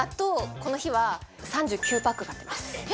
この日は３９パック買ってます。